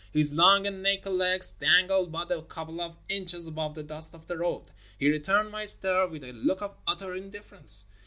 His long and naked legs dangled but a couple of inches above the dust of the road. He returned my stare with a look of utter indifference.